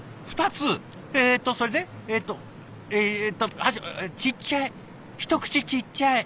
えっとそれでえっとちっちゃい一口ちっちゃい。